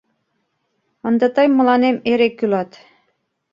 Ынде тый мыланем эре кӱлат.